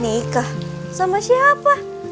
nikah sama siapa